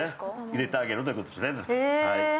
入れてあげるということですね。